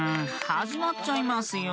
はじまっちゃいますよ。